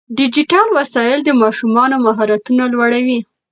ډیجیټل وسایل د ماشومانو مهارتونه لوړوي.